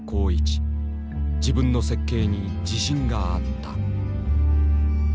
自分の設計に自信があった。